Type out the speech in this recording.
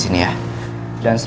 saya mau jual